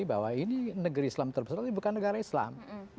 bahwa ini negara islam terbesar itu bukan negara islam